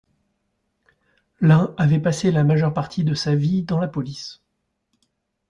L’un avait passé la majeure partie de sa vie dans la police.